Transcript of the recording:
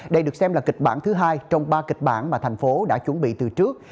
đây được xem là kịch bản thứ hai trong ba kịch bản mà thành phố đã chuẩn bị từ trước